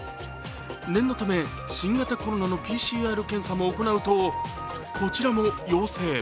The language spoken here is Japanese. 念のため新型コロナのＰＣＲ検査も行うと、こちらも陽性。